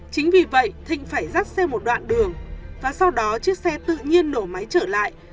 chính vì vậy thịnh phải dắt xem một đoạn đường và sau đó chiếc xe tự nhiên nổ máy trở lại